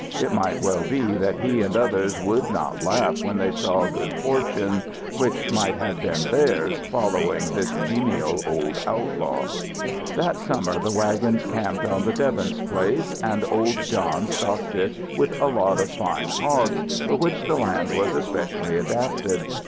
It might well be that he and others would not laugh when they saw good fortune which might have been theirs following this genial old outlaw. That summer the wagons camped on the Debbins place, and old John stocked it with a lot of fine hogs, for which the land was especially adapted.